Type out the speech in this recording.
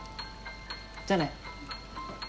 じゃあね。